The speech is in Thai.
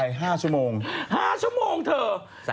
เยอะ